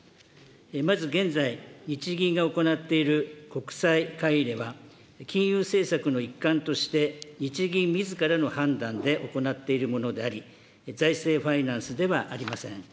まず、現在、日銀が行っている国債買い入れは、金融政策の一環として、日銀みずからの判断で行っているものであり、財政ファイナンスではありません。